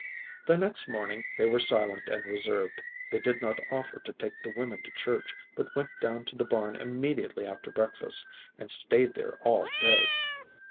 The next morning they were silent and reserved. They did not offer to take the women to church, but went down to the barn immediately after breakfast and stayed there all day.